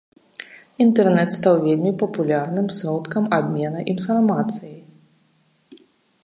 Інтэрнэт стаў вельмі папулярным сродкам абмена інфармацыяй.